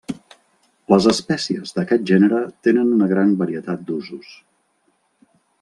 Les espècies d'aquest gènere tenen una gran varietat d'usos.